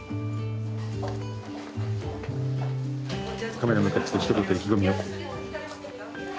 カメラに向かってひと言意気込みを。